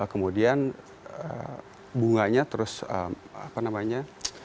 kemudian bunganya terus apa namanya